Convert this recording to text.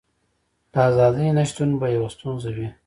د ازادۍ نشتون به یوه ستونزه وي.